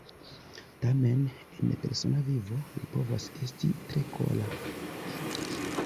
Tamen en persona vivo li povis esti tre kora.